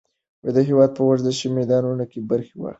د هېواد په ورزشي میدانونو کې برخه واخلئ.